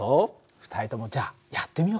２人ともじゃあやってみようか。